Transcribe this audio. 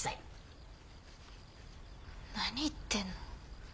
何言ってんの？